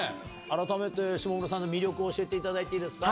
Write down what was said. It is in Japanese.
改めて下村さんの魅力を教えていただいていいですか。